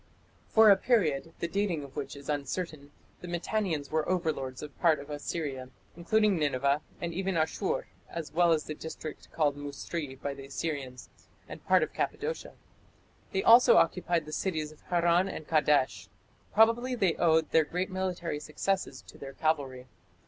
For a period, the dating of which is uncertain, the Mitannians were overlords of part of Assyria, including Nineveh and even Asshur, as well as the district called "Musri" by the Assyrians, and part of Cappadocia. They also occupied the cities of Harran and Kadesh. Probably they owed their great military successes to their cavalry.